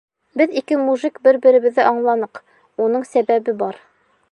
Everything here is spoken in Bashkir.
Беҙ ике мужик бер-беребеҙҙе аңланыҡ: уның сәбәбе бар.